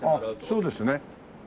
そうですね。